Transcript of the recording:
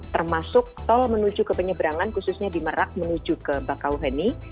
termasuk tol menuju ke penyeberangan khususnya di merak menuju ke bakauheni